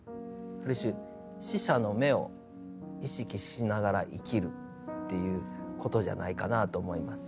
ある種死者の目を意識しながら生きるっていうことじゃないかなと思います。